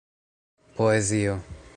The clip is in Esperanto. poezio